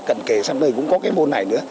cần kề sắp tới cũng có cái môn này nữa